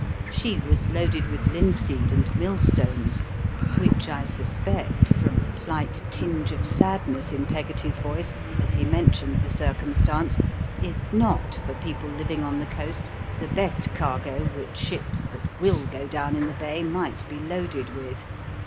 She was loaded with linseed and millstones, which I suspect, from a slight tinge of sadness in Peggotty's voice as he mentioned the circumstance, is not for people living on the coast the best cargo which ships that will go down in the bay might be loaded with.